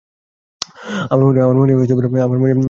আমার মনে হয় আমি ঠিক আছি।